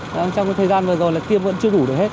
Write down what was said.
trong thời gian vừa rồi là tiêm vẫn chưa đủ được hết